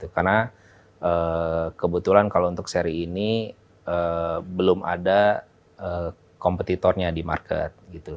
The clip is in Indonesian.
karena kebetulan kalau untuk seri ini belum ada kompetitornya di market